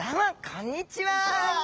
こんにちは。